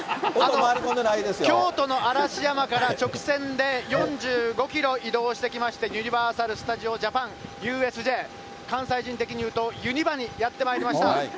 京都の嵐山から直線で４５キロ移動してきまして、ユニバーサル・スタジオ・ジャパン、ＵＳＪ、関西人的に言うと、ユニバにやってまいりました。